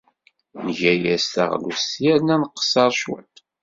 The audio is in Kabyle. Nga-as taɣlust yernu nqeṣṣer cwiṭ.